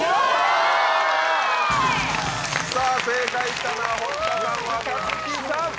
さぁ正解したのは堀田さん若槻さん。